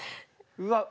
うわっ。